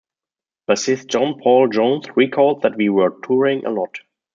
Bassist John Paul Jones recalled that We were touring a lot.